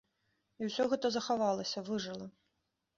І усё гэта захавалася, выжыла.